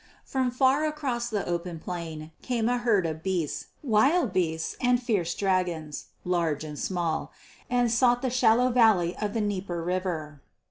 From far across the open plain came a herd of beasts, wild beasts and fearsome dragons large and small, and sought the shallow valley of the Dnieper river.